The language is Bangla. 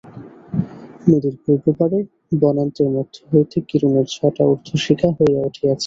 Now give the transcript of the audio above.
নদীর পূর্ব পারে বনান্তের মধ্য হইতে কিরণের ছটা ঊর্ধ্বশিখা হইয়া উঠিয়াছে।